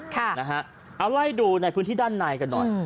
ค่ะนะฮะเอาไล่ดูในพื้นที่ด้านในกันหน่อยอืม